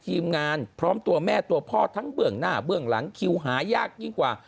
ทีมงานพร้อมตัวแม่ตัวพ่อทั้งเบื้องหน้าเบื้องหลังคิวหายากยิ่งกว่า